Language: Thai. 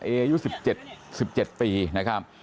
เออยู่๑๗ปีนะครับ